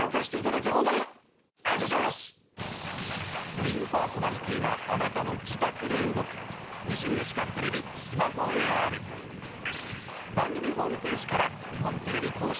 メインパーソナリティーがあなたの自宅で動く番組ホームページから日本テレビ公式